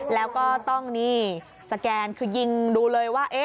แล้วก็ต้องนี่สแกนคือยิงดูเลยว่า